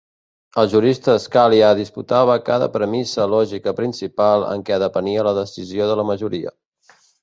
El jurista Scalia disputava cada premissa lògica principal en què depenia la decisió de la majoria.